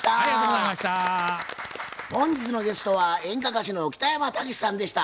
本日のゲストは演歌歌手の北山たけしさんでした。